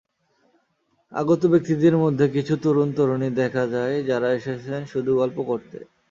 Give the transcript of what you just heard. আগত ব্যক্তিদের মধ্যে কিছু তরুণ-তরুণী দেখা যায়, যাঁরা এসেছেন শুধু গল্প করতে।